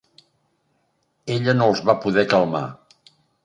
Ella no els va poder calmar.